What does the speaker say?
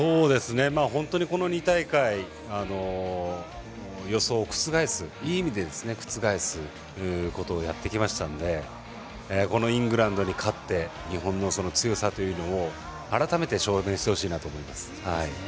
本当にこの２大会予想をいい意味で覆すことをやってきましたのでこのイングランドに勝って日本の強さというのを改めて、証明してほしいなと思います。